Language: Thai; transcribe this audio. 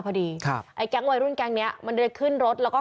พอดีครับไอ้แก๊งวัยรุ่นแก๊งเนี้ยมันเดินขึ้นรถแล้วก็